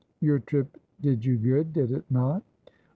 ' Your trip did you good, did it not